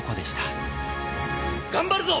頑張るぞ！